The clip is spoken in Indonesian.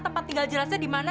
tempat tinggal jelasnya di mana